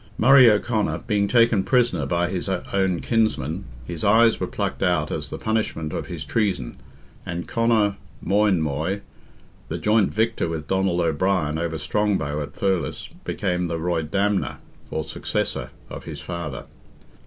Murray O'Conor being taken prisoner by his own kinsmen, his eyes were plucked out as the punishment of his treason, and Conor Moinmoy, the joint victor with Donald O'Brien over Strongbow at Thurles, became the Roydamna or successor of his father.